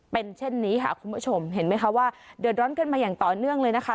เป็นเช่นนี้ค่ะคุณผู้ชมเห็นไหมคะว่าเดือดร้อนกันมาอย่างต่อเนื่องเลยนะคะ